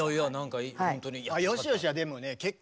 よしよしはでもね結構。